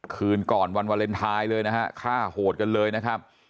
คืนก่อนวันวาเลนไทยเลยนะฮะฆ่าโหดกันเลยนะครับ